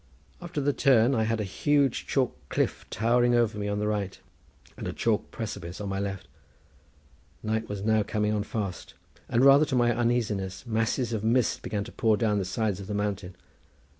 After the turn, I had a huge chalk cliff towering over me on the right, and a chalk precipice on my left. Night was now coming on fast, and, rather to my uneasiness, masses of mist began to pour down the sides of the mountain.